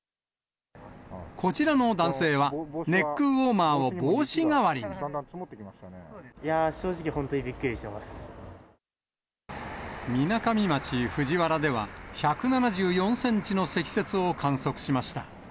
こちらの男性は、ネックウォいやー、みなかみ町藤原では、１７４センチの積雪を観測しました。